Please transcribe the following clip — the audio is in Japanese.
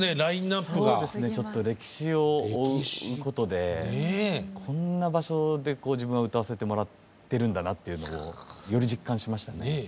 ちょっと歴史を追うことでこんな場所で自分が歌わせてもらってるんだなっていうのをより実感しましたね。